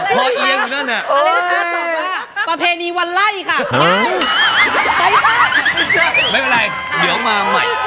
หนูแพ้ได้ไหมละคะ